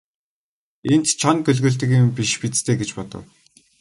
Энд чоно гөлөглөдөг юм биш биз дээ гэж бодов.